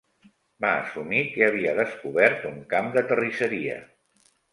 Va assumir que havia descobert un camp de terrisseria.